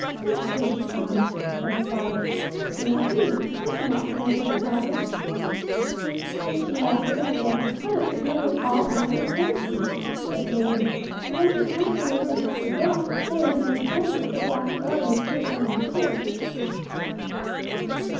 "Whisht, whisht, child," said her father, "this may not be! I cannot have my guest flouted." "If she act as our guest, I will treat her with all honour and courtesy," said the maiden; "but when she comes where we look not for guests, there is no saying what the black guard may take it on them to do."